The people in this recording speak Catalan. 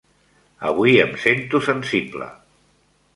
Avui em sento sensible.